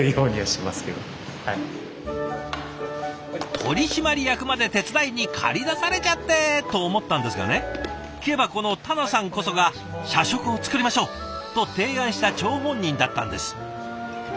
取締役まで手伝いに借り出されちゃって！と思ったんですがね聞けばこの田名さんこそが「社食を作りましょう」と提案した張本人だったんです。